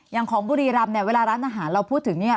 อย่างของบุรีรำเนี่ยเวลาร้านอาหารเราพูดถึงเนี่ย